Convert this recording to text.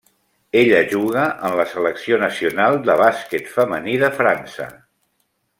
Ella juga en la selecció nacional de bàsquet femení de França.